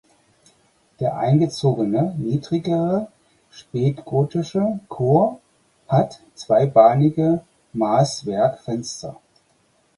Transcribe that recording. Der eingezogene niedrigere spätgotische Chor hat zweibahnige Maßwerkfenster.